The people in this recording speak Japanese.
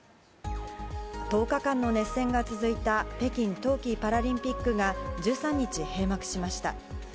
１０日間の熱戦が続いた北京冬季パラリンピックが１３日、閉幕しました。